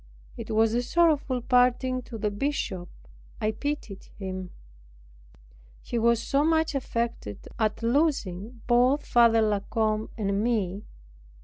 It was a sorrowful parting to the Bishop. I pitied him; he was so much affected at losing both Father La Combe and me.